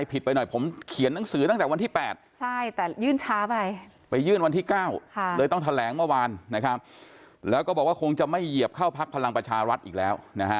ไปยื่นวันที่เก้าเลยต้องแถลงเมื่อวานแล้วก็บอกว่าคงจะไม่เหยียบเข้าพักพลังประชารัฐอีกแล้ว